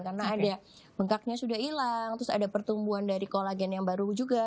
karena ada bengkaknya sudah hilang terus ada pertumbuhan dari kolagen yang baru juga